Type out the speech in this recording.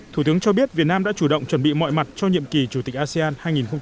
thủ tướng cho biết việt nam đã chủ động chuẩn bị mọi mặt cho nhiệm kỳ chủ tịch asean hai nghìn hai mươi